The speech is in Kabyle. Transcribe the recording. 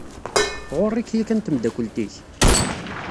Tɣurr-ik yakan temdakelt-ik?